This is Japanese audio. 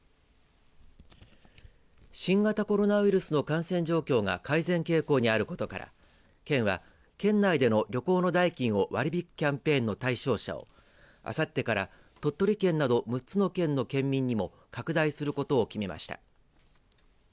新型コロナウイルスの感染状況が改善傾向にあることから県は、県内での旅行の代金を割り引くキャンペーンの対象者をあさってから鳥取県など６つの県の県民にも拡大することを決めました。